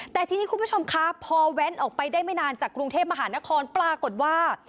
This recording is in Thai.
แต่ทีนี้คุณผู้ชมคะพอแว้นออกไปได้ไม่นานจากกรุงเทพมหานครปรากฏว่า